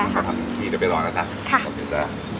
พอทำมีจะไปรอนะครับ